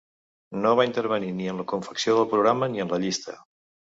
No va intervenir ni en la confecció del programa ni en la llista.